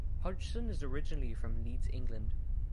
Hodgson is originally from Leeds, England.